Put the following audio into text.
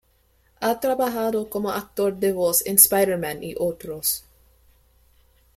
Ha trabajado como actor de voz en "Spider-Man" y otros.